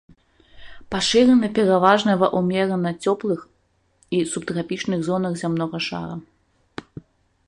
Пашыраны пераважна ва ўмерана цёплых і субтрапічных зонах зямнога шара.